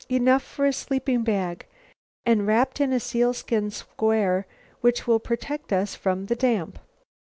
Enough for a sleeping bag! And wrapped in a sealskin square which will protect us from the damp.